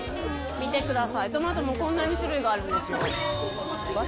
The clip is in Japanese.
見てください、トマトもこんなに種類があるんですよ。